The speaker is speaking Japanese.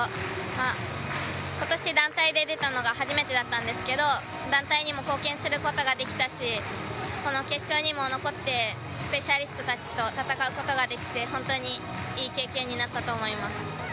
今年、団体で出たのが初めてだったんですけど団体にも貢献することができたしこの決勝にも残ってスペシャリストたちと戦うことができて本当にいい経験になったと思います。